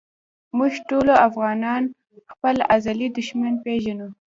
مونږ ټولو افغانان خپل ازلي دښمن پېژنو